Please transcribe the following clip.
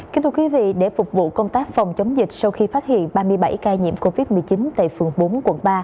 kính thưa quý vị để phục vụ công tác phòng chống dịch sau khi phát hiện ba mươi bảy ca nhiễm covid một mươi chín tại phường bốn quận ba